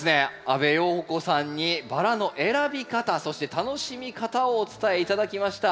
阿部容子さんにバラの選び方そして楽しみ方をお伝え頂きました。